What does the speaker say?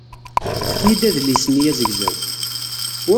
Efk-iyi-d adlis-nni azegzaw.